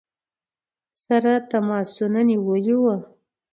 سره تماسونه نیولي ؤ.